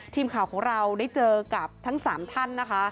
ทีมข่าวของเราได้เจอกับทั้ง๓ท่านนะคะ